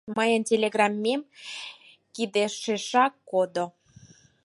Мыйын телеграммем кидешешак кодо.